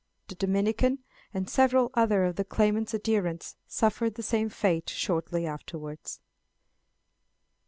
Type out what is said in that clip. The Dominican, and several other of the claimant's adherents, suffered the same fate shortly afterwards.